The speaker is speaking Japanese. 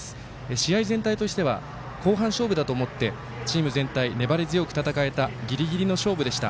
試合全体としては後半勝負だと思ってチーム全体、粘り強く戦えたギリギリの勝負でした。